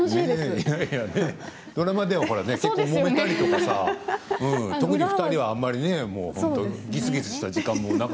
ドラマでは、結構もめたりとか特に２人はあんまりねぎすぎすした時間も？